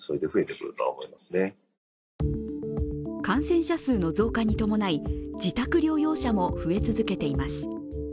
感染者数の増加に伴い自宅療養者も増え続けています。